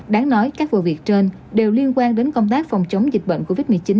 đáng nói các vụ việc trên đều liên quan đến công tác phòng chống dịch bệnh covid một mươi chín